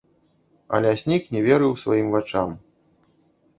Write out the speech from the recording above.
А ляснік не верыў сваім вачам.